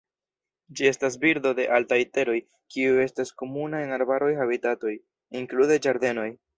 Ĝi estas birdo de altaj teroj kiu estas komuna en arbaraj habitatoj, inklude ĝardenoj.